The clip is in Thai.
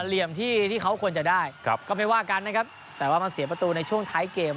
เหลี่ยมที่ที่เขาควรจะได้ก็ไม่ว่ากันนะครับแต่ว่ามาเสียประตูในช่วงท้ายเกม